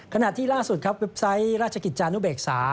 ขณะที่ล่าสุดครับเว็บไซต์ราชกิจจานุเบกษา